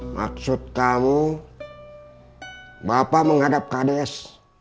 maksud kamu bapak menghadap kades